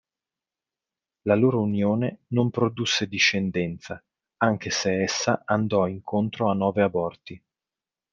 La loro unione non produsse discendenza, anche se essa andò incontro a nove aborti.